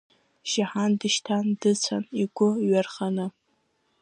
Шьаҳан дышьҭан, дыцәан игәы ҩарханы.